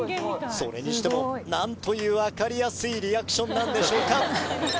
それにしても何という分かりやすいリアクションなんでしょうか